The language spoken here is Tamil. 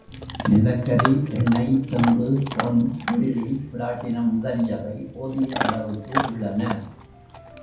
நிலக் கரி, எண்ணெய், செம்பு, பொன், வெள்ளி, பிளாட்டினம் முதலியவை போதிய அளவுக்கு உள்ளன.